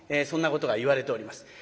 そんなことがいわれております。